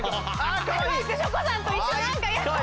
しょこさんと一緒なんかやだ。